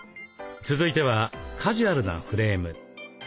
続いてはカジュアルなフレーム。